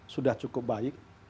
sudah cukup baik